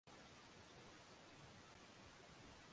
mabomu na silaha zingine ambazo zingeenda kutumika katika kulinda